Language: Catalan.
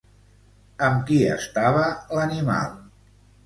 Amb qui estava l'animal?